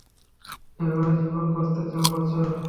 যেভাবে জীবনে বাঁচতে চাও বাঁচো।